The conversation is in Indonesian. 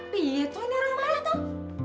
pieto ini rama lah tom